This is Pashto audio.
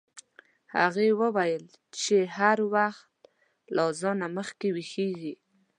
هغې وویل چې هر وخت له اذان مخکې ویښیږي.